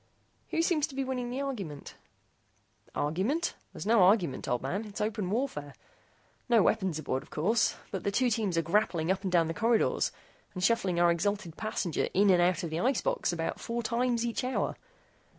"Who seems to be winning the argument?" "Argument? There's no argument, old man it's open warfare. No weapons aboard, of course, but the two teams are grappling up and down the corridors and shuttling our exhalted passenger in and out of the ice box about four times each hour.